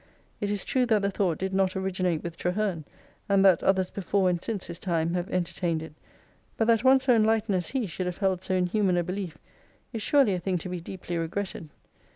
It is true that the thought did not originate with Traherne, and that others before and since his time have entertained it ; but that one so enlightened as he should have held so inhuman a belief is surely a thing to be deeply regretted.